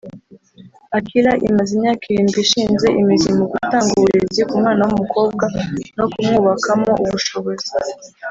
Akilah imaze imyaka irindwi ishinze imizi mu gutanga uburezi ku mwana w’umukobwa no kumwubakamo ubushobozi